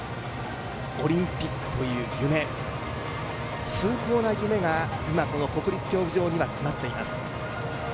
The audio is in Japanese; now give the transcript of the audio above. オリンピックという夢、崇高な夢が今この国立競技場には詰まっています。